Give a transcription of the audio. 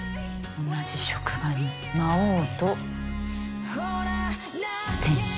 同じ職場に魔王と天使。